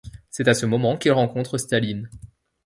C'est à ce moment qu'il rencontre Staline.